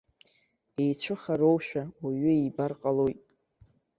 Еицәыхароушәа уаҩы ибар ҟалоит.